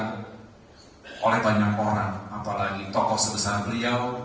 yang disampaikan oleh banyak orang apalagi tokoh sebesar beliau